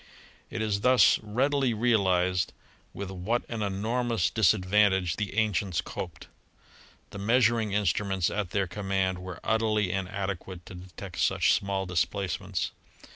It is thus readily realized with what an enormous dis advantage the ancients coped. The measuring instruments at their command were utterly inadequate to detect such small displacements.